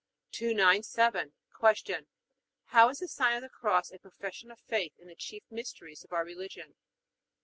297. Q. How is the sign of the Cross a profession of faith in the chief mysteries of our religion?